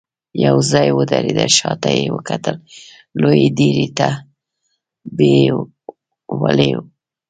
يو ځای ودرېده، شاته يې وکتل، لويې ډبرې ته يې ولي ولګول.